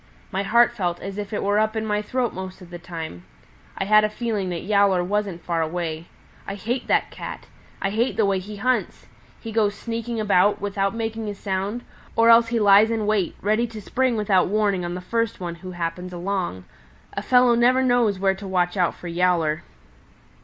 My heart felt as if it were up in my throat most of the time. I had a feeling that Yowler wasn't far away. I hate that Cat! I hate the way he hunts! He goes sneaking about, without making a sound, or else he lies in wait, ready to spring without warning on the first one who happens along. A fellow never knows where to watch out for Yowler.